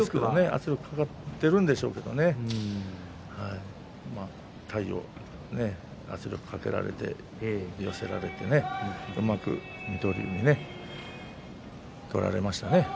圧力はかかっているんでしょうけれど圧力をかけられて体を寄せられてうまく水戸龍に取られましたね。